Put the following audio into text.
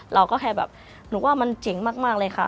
เราก็แค่แบบหนูว่ามันเจ๋งมากเลยค่ะ